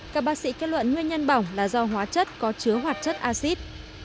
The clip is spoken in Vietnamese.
các bác sĩ kết luận nguyên nhân bỏng là do hóa chất có chứa hoạt chất acid